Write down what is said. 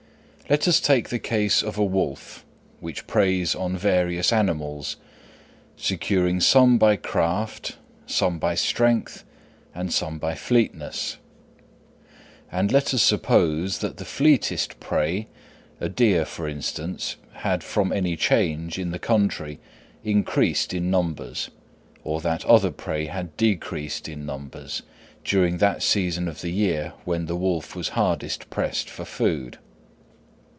Let us take the case of a wolf, which preys on various animals, securing some by craft, some by strength, and some by fleetness; and let us suppose that the fleetest prey, a deer for instance, had from any change in the country increased in numbers, or that other prey had decreased in numbers, during that season of the year when the wolf was hardest pressed for food.